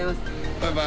バイバイ。